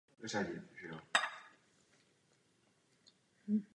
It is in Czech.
Myslím si, že jste tento týden začali velmi dobře.